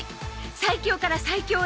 最強から最強へ